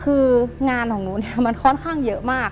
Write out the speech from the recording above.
คืองานของหนูเนี่ยมันค่อนข้างเยอะมาก